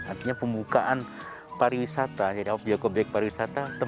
artinya pembukaan pariwisata jadi objek objek pariwisata